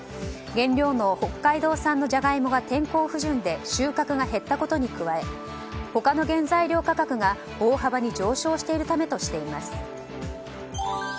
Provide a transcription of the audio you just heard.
原料の北海道産のジャガイモが天候不順で収穫が減ったことに加え他の原材料価格が大幅に上昇しているためとしています。